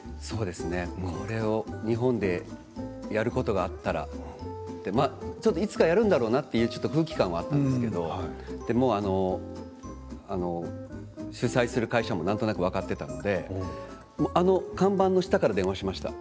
これを日本でやることがあったらいつかやるんだろうなという空気感はあったんですけど主催する会社もなんとなく分かっていたのであの看板の下から電話しました。